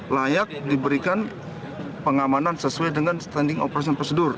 layak diberikan pengamanan sesuai dengan standing operation procedure